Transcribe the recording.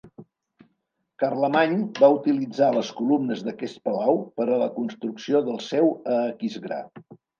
Carlemany va utilitzar les columnes d'aquest palau per a la construcció del seu a Aquisgrà.